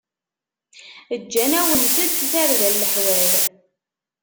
Ǧǧan-awent-d tarda leḥwal.